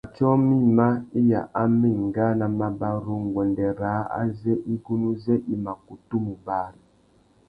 Matiō mïma iya a mà enga nà mabarú nguêndê râā azê igunú zê i mà kutu mù bari.